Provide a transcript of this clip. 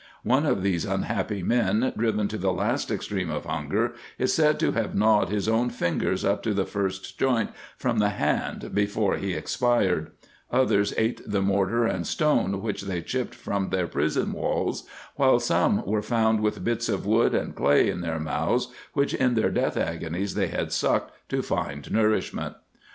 One of these un happy men, driven to the last extreme of hunger, is said to have gnawed his own fingers up to the first joint from the hand before he expired ; others ate the mortar and stone which they chipped from their prison walls, while some were found with bits of wood and cfey in their mouths which in their death agonies they had sucked to find nourishment.